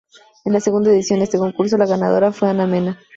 En la segunda edición de este concurso, la ganadora fue Ana Mena.